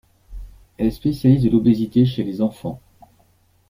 Elle est spécialiste de l'obésité chez les enfants.